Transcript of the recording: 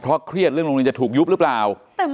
เพราะเครียดเรื่องโรงเรียนจะถูกยุบหรือเปล่า